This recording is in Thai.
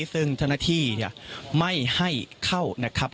ซึ่งเจ้าหน้าที่ไม่ให้เข้านะครับ